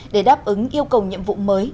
để đáp ứng yêu cầu nhiệm vụ mới